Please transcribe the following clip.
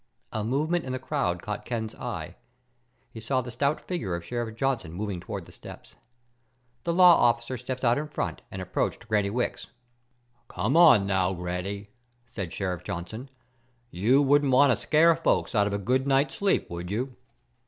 A movement in the crowd caught Ken's eye. He saw the stout figure of Sheriff Johnson moving toward the steps. The law officer stepped out in front and approached Granny Wicks. "Come on now, Granny," said Sheriff Johnson. "You wouldn't want to scare folks out of a good night's sleep, would you?"